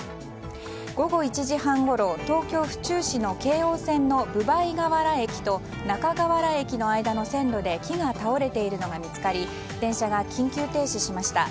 午後１時半ごろ、東京・府中市の京王線分倍河原駅と中河原駅の間の線路で木が倒れているのが見つかり電車が緊急停止しました。